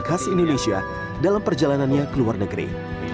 itu dapat khas indonesia dalam perjalanannya ke luar negeri